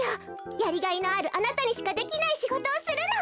やりがいのあるあなたにしかできないしごとをするの！